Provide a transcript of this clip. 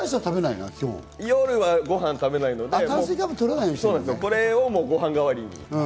夜はご飯食べないので、これをご飯代わりに。